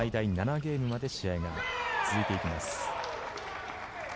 ゲームまで試合が続いていきます。